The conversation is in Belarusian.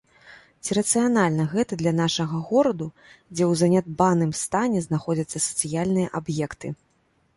Ці рацыянальна гэта для нашага гораду, дзе ў занядбаным стане знаходзяцца сацыяльныя аб'екты.